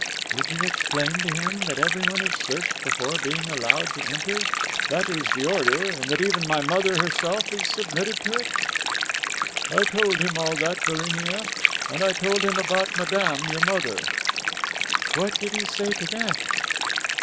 "Did you explain to him that everybody is searched before being allowed to enter, that it is the order, and that even my mother herself has submitted to it?" "I told him all that, Barinia; and I told him about madame your mother." "What did he say to that?"